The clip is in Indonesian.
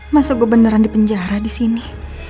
masa gue beneran di penjara disini